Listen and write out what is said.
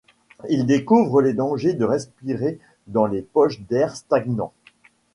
Il découvre les dangers de respirer dans des poches d'air stagnant.